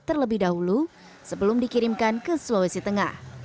terlebih dahulu sebelum dikirimkan ke sulawesi tengah